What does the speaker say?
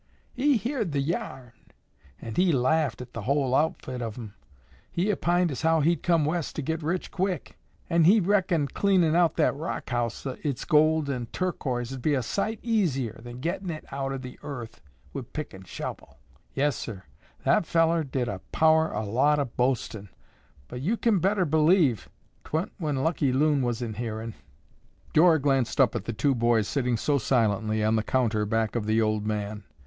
He heern the yarn, an' he laffed at the whule outfit of 'em. He opined as how he'd come West to get rich quick, an' he reckoned cleanin' out that rock house o' its gold an' turquoise'd be a sight easier than gettin' it out o' the earth wi' pick an' shovel. Yessir, that fellar did a power o' a lot o' boastin', but yo' kin better believe, 'twa'n't when Lucky Loon was in hearin'." Dora glanced up at the two boys sitting so silently on the counter back of the old man.